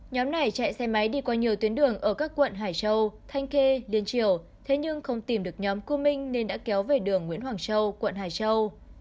nhóm này chạy xe máy đi qua nhiều tuyến đường ở các quận hải châu thanh khê liên triều thế nhưng không tìm được nhóm cư minh nên đã kéo về đường nguyễn hoàng châu quận hải châu